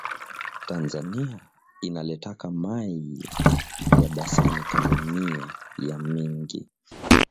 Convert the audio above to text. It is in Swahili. Tanzania inaletaka mayi ya dasani kalemie ya mingi